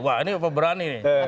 wah ini berani nih